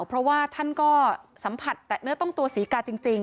เพราะว่าท่านก็สัมผัสแตะเนื้อต้องตัวศรีกาจริง